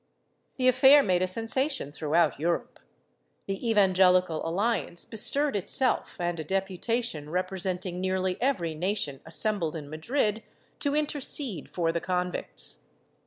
The affair made a sensation throughout Europe; the Evangelical Alliance bestirred itself and a deputation representing nearly every nation assembled in Madrid to intercede for the convicts.